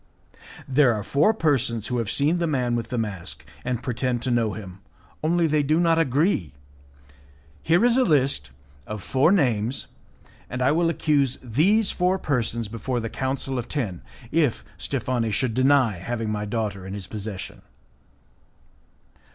"There are four persons who have seen the man with the mask, and pretend to know him, only they do not agree. Here is a list of four names, and I will accuse these four persons before the Council of Ten, if Steffani should deny having my daughter in his possession."